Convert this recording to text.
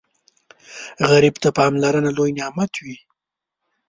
غریب ته پاملرنه لوی نعمت وي